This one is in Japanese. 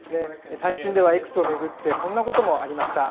最近ではＸを巡って、こんなこともありました。